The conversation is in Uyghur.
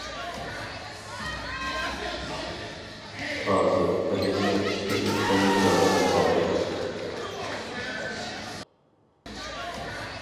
ھازىر ئەدەبىيات ئىشلىرى خېلى جانلىنىپ قالدى.